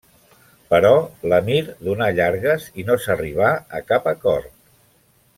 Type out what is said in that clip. Però l'emir dona llargues i no s'arribà a cap acord.